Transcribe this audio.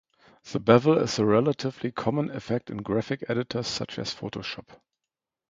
The bevel is a relatively common effect in graphic editors such as Photoshop.